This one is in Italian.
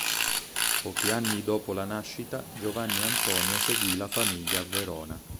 Pochi anni dopo la nascita Giovanni Antonio seguì la famiglia a Verona.